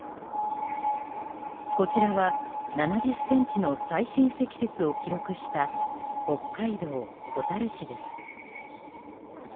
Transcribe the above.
こちらは７０ｃｍの最深積雪を記録した北海道小樽市です。